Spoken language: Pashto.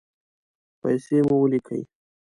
پیسې مو ولیکئ